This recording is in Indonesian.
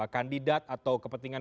kandidat atau kepentingan